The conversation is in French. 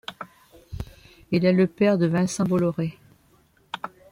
Il est le père de Vincent Bolloré.